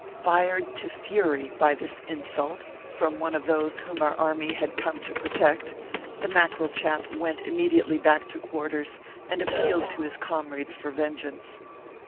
Fired to fury by this insult from one of those whom our army had come to protect, the Mackerel chap went immediately back to quarters, and appealed to his comrades for vengeance.